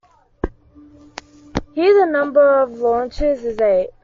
Here the number of launchers is eight.